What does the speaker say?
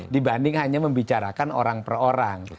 dibanding hanya membicarakan orang per orang